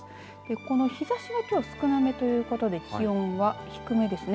この日ざしがきょうは少なめということで気温は低めですね。